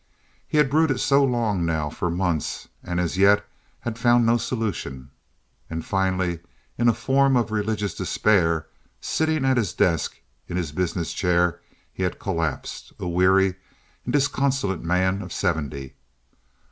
He had brooded so long now, for months, and as yet had found no solution. And finally, in a form of religious despair, sitting at his desk, in his business chair, he had collapsed—a weary and disconsolate man of seventy.